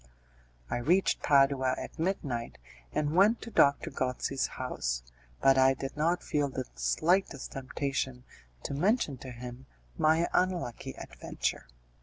I reached Padua at midnight, and went to Doctor Gozzi's house, but I did not feel the slightest temptation to mention to him my unlucky adventure.